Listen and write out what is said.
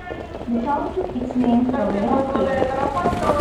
The town took its name from Bear Creek.